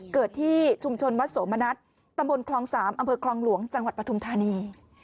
ที่ชุมชนวัดโสมณัฐตำบลคลอง๓อำเภอคลองหลวงจังหวัดปฐุมธานี